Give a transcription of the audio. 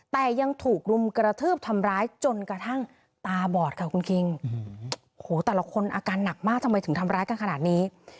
แต่ยังถูกรุมกระทืบทำร้ายจนกระทั่งตาบอดค่ะคุณคิงโหแต่ละคนอาการหนักมากทำไมถึงทำร้ายกันขนาดนี้